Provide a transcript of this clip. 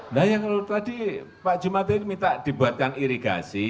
nah ya kalau tadi pak jumatil minta dibuatkan irigasi